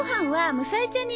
むさえちゃんに？